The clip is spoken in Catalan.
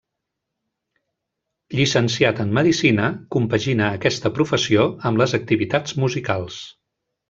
Llicenciat en medicina, compagina aquesta professió amb les activitats musicals.